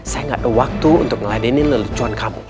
profesor saya gak ada waktu untuk ngeladein ini lelucoan kamu